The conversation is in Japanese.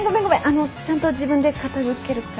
あのちゃんと自分で片付けるから。